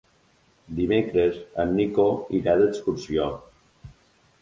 Dimecres en Nico irà d'excursió.